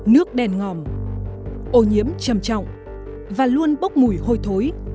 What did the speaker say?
nước đèn ngòm ô nhiễm chầm trọng và luôn bốc mùi hôi thối